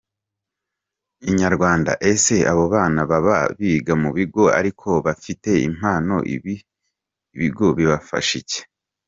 Inyarwanda: Ese abo bana baba biga mu bigo ariko bafite impano, ibigo bibafasha iki?.